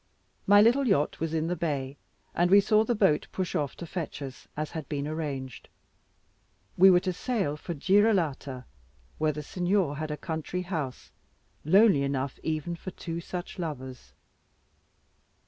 My little yacht was in the bay, and we saw the boat push off to fetch us as had been arranged. We were to sail for Girolata, where the Signor had a country house, lonely enough even for two such lovers.